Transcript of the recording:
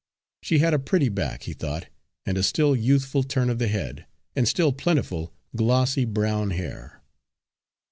She had a pretty back, he thought, and a still youthful turn of the head, and still plentiful, glossy brown hair.